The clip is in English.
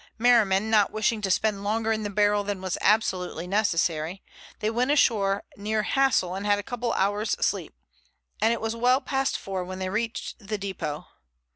Merriman not wishing to spend longer in the barrel than was absolutely necessary, they went ashore near Hassle and had a couple of hours' sleep, and it was well past four when they reached the depot.